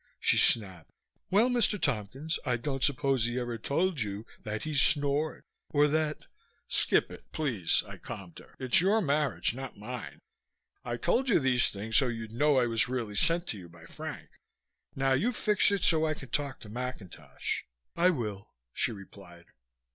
she snapped. "Well, Mr. Tompkins, I don't suppose he ever told you that he snored or that " "Skip it, please," I calmed her. "It's your marriage, not mine. I told you these things so you'd know I was really sent to you by Frank. Now you fix it so I can talk to McIntosh." "I will," she replied.